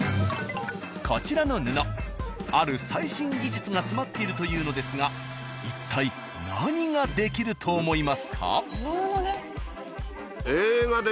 ［こちらの布ある最新技術が詰まっているというのですがいったい何ができると思いますか？］